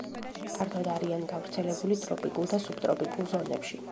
ფართოდ არიან გავრცელებული ტროპიკულ და სუბტროპიკულ ზონებში.